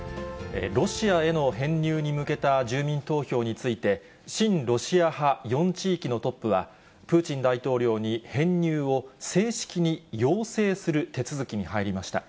ロシアへの編入に向けた住民投票について、親ロシア派４地域のトップは、プーチン大統領に編入を正式に要請する手続きに入りました。